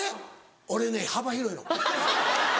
俺ね幅広いの。